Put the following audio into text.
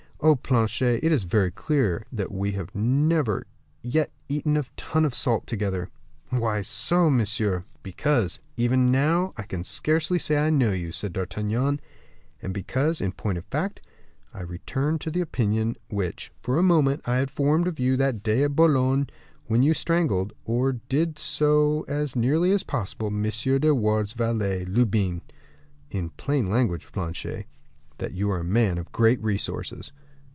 Oh, Planchet, it is very clear that we have never yet eaten a ton of salt together." "Why so, monsieur?" "Because, even now I can scarcely say I know you," said D'Artagnan, "and because, in point of fact, I return to the opinion which, for a moment, I had formed of you that day at Boulogne, when you strangled, or did so as nearly as possible, M. de Wardes's valet, Lubin; in plain language, Planchet, that you are a man of great resources."